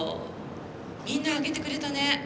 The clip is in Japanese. みんな挙げてくれたね。